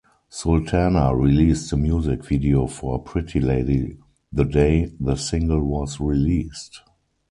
Sultana released the music video for "Pretty Lady" the day the single was released.